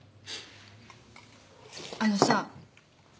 あのさ。